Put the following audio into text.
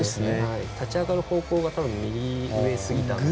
立ち上がる方向が右上すぎたんで。